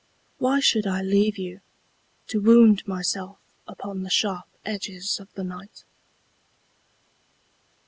Why should I leave you, To wound myself upon the sharp edges of the night?